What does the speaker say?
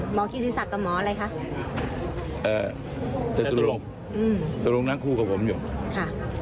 หมอกีศักดิ์สักกับหมออะไรคะอ่าตะตรงอืมตะตรงนักครูกับผมอยู่ค่ะ